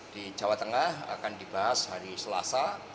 di jawa tengah akan dibahas hari selasa